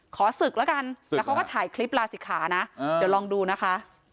ขอศึกแล้วกันแล้วเขาก็ถ่ายคลิปลาศิกขานะเดี๋ยวลองดูนะคะ